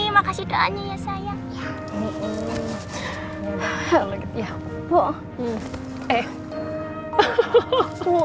makasih doanya ya sayang